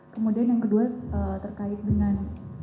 kemudian yang kedua terkait dengan